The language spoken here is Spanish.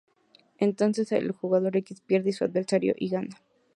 Entonces, el jugador X pierde y su adversario Y gana.